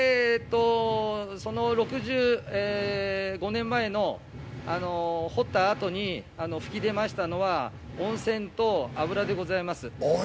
６５年前に掘った後に噴き出ましたのは温泉と油でございます。